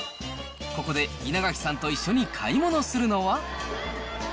ここで稲垣さんと一緒に買い物するのは。